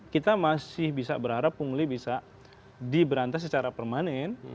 kita masih bisa berharap pungli bisa diberantas secara permanen